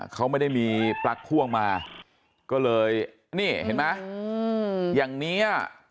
เขาไม่ได้มีปลั๊กพ่วงมาก็เลยนี่เห็นไหมอย่างนี้อ่ะ